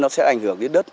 nó sẽ ảnh hưởng đến đất